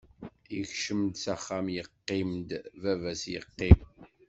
Ikcem-d s axxam yeqqim-d baba-s yeqqim.